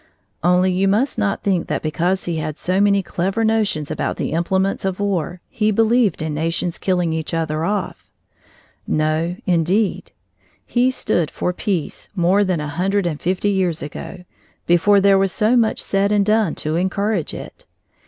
Only you must not think that because he had so many clever notions about the implements of war he believed in nations killing each other off no, indeed. He stood for peace more than a hundred and fifty years ago, before there was so much said and done to encourage it.